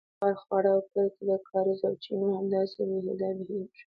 زموږ هر خوړ او کلي کې د کاریزو او چینو همداسې بې هوده بیهږي